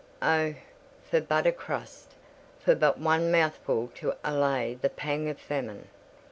Oh, for but a crust! for but one mouthful to allay the pang of famine!